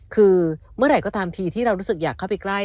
คือเมื่อไหร่ก็ตามทีที่เรารู้สึกอยากเข้าไปใกล้